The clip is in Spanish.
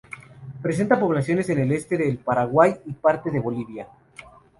Presenta poblaciones en el este del Paraguay y parte de Bolivia.